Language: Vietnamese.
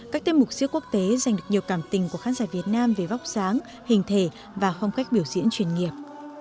các tiết mục siết quốc tế dành được nhiều cảm tình của khán giả việt nam về vóc dáng hình thể và không cách biểu diễn chuyên nghiệp